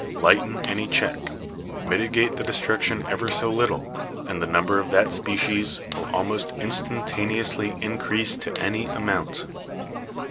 Lighten any check, mitigate the destruction ever so little, and the number of the species will almost instantaneously increase to any amount."